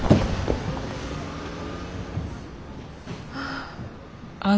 ああ。